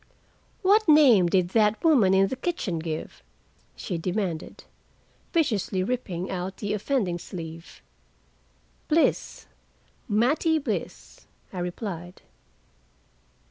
"What name did that woman in the kitchen give?" she demanded, viciously ripping out the offending sleeve. "Bliss. Mattie Bliss," I replied.